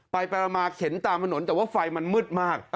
ไปมาเข็นตามถนนแต่ว่าไฟมันมืดมาก